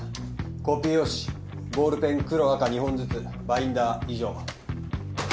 コピー用紙ボールペン黒赤２本ずつバインダー以上。